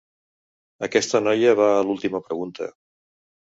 Aquesta noia va a l'última pregunta.